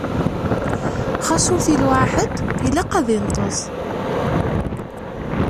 Xas ur t-iluɛa ḥedd, ilaq ad d-inṭeẓ.